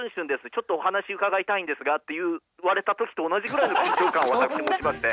ちょっとお話伺いたいんですが」って言われた時と同じぐらいの緊張感を私持ちまして。